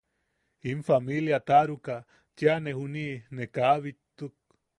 In familia taʼaruka cheʼa juniʼi ne kaa bittuk.